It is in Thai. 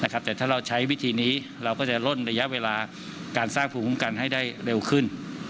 แต่ถ้าเราใช้วิธีนี้เราก็จะล่นระยะเวลาการสร้างภูมิคุ้มกันให้ได้เร็วขึ้น